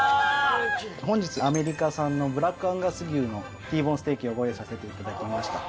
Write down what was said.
本日、アメリカ産のブラックアンガス牛のＴボーンステーキをご用意させていただきました。